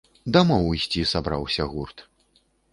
Дамоў ісці сабраўся гурт.